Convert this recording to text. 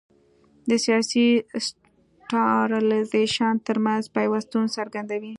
د سیاسي سنټرالیزېشن ترمنځ پیوستون څرګندوي.